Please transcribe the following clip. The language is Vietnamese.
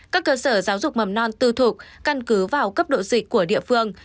các cơ sở giáo dục mầm non tư thục căn cứ vào cấp độ dịch của địa phương